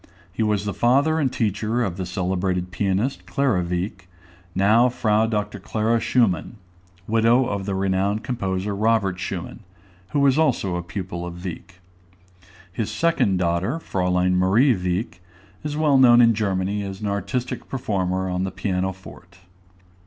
He was the father and teacher of the celebrated pianist, Clara Wieck, now Fr. Dr. Clara Schumann, widow of the renowned composer Robert Schumann, who was also a pupil of Wieck. His second daughter, Fräulein Marie Wieck, is well known in Germany as an artistic performer on the piano forte.